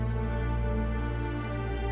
dia pasti ketowah